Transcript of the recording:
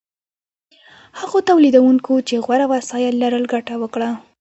هغو تولیدونکو چې غوره وسایل لرل ګټه وکړه.